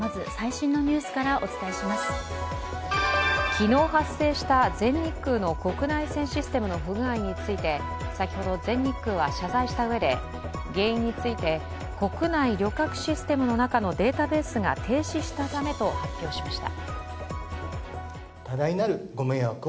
昨日発生した全日空の国内線システムの不具合について、先ほど全日空は謝罪したうえで、原因について、国内旅客システムの中のデータベースが停止したためと発表しました。